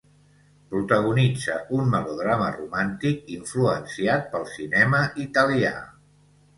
Protagonitza un melodrama romàntic influenciat pel cinema italià.